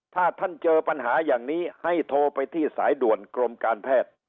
ถ้าท่านเจอปัญหาอย่างนี้ให้โทรไปที่สายด่วนกรมการแพทย์